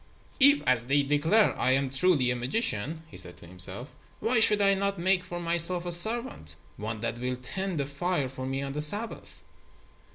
] "If, as they declare, I am truly a magician," he said to himself, "why should I not make for myself a servant, one that will tend the fire for me on the Sabbath?"